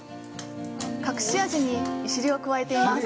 隠し味に“いしり”を加えています。